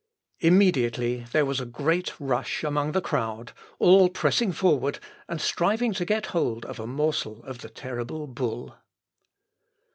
Immediately there was a great rush among the crowd, all pressing forward, and striving to get hold of a morsel of the terrible bull.